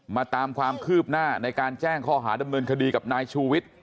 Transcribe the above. ตามความคืบหน้าในการแจ้งข้อหาดำเนินคดีกับนายชูวิทย์